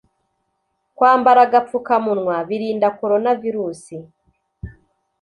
Kwambara agapfukamunwa birinda koronavirusi